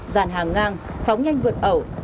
dàn hàng ngang phóng nhanh vượt ẩu